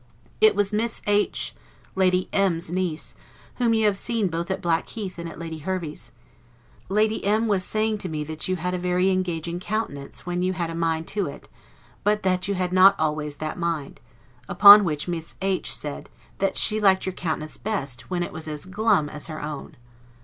It was Miss H n, Lady M y's niece, whom you have seen both at Blackheath and at Lady Hervey's. Lady M y was saying to me that you had a very engaging countenance when you had a mind to it, but that you had not always that mind; upon which Miss H n said, that she liked your countenance best, when it was as glum as her own.